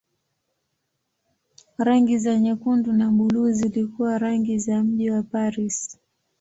Rangi za nyekundu na buluu zilikuwa rangi za mji wa Paris.